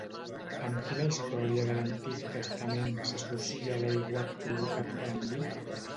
Amb quina història de l'Antic Testament s'associa l'aiguat provocat per Enlil?